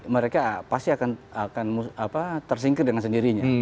mereka pasti akan tersingkir dengan sendirinya